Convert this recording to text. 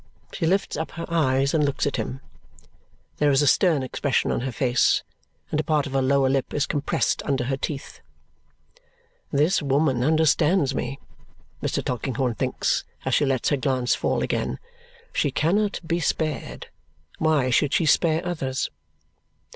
She lifts up her eyes and looks at him. There is a stern expression on her face and a part of her lower lip is compressed under her teeth. "This woman understands me," Mr. Tulkinghorn thinks as she lets her glance fall again. "SHE cannot be spared. Why should she spare others?"